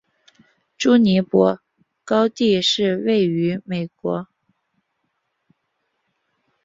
朱尼珀高地是位于美国亚利桑那州亚瓦派县的一个非建制地区。